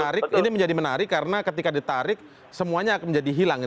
nah ini menjadi menarik karena ketika ditarik semuanya akan menjadi hilang